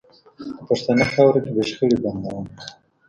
په پښتنه خاوره کې به شخړې بندوو